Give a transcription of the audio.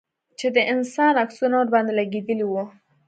چې د انسان عکسونه ورباندې لگېدلي وو.